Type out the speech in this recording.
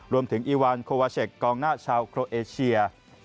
อีวานโควาเชคกองหน้าชาวโครเอเชีย